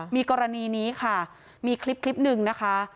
มีกรณีนี้ค่ะมีคลิปหนึ่งนะคะ